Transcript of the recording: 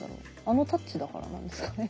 あのタッチだからなんですかね。